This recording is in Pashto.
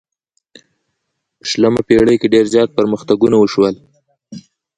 په شلمه پیړۍ کې ډیر زیات پرمختګونه وشول.